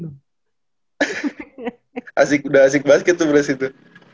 asik udah asik basket tuh beras itu